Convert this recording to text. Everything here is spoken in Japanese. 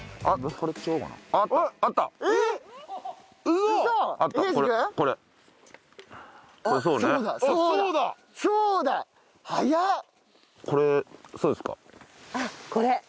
あっこれ。